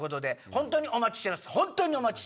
本当にお待ちしてます！